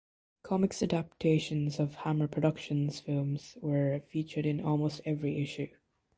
Comics adaptations of Hammer Productions films were featured in almost every issue.